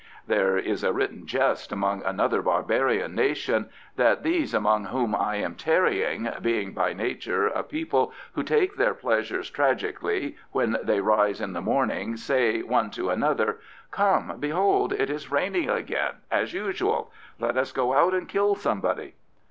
There is a written jest among another barbarian nation that these among whom I am tarrying, being by nature a people who take their pleasures tragically, when they rise in the morning say, one to another, "Come, behold; it is raining again as usual; let us go out and kill somebody."